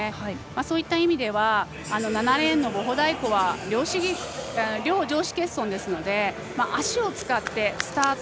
そういった意味では７レーンのボホダイコは両上肢欠損ですので足を使ってスタート